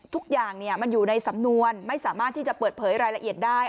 ทุกอย่างมันอยู่ในสำนวนไม่สามารถที่จะเปิดเผยรายละเอียดได้